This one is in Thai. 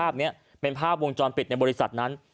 ภาพนี้เป็นภาพวงจรปิดในบริษัทนั้น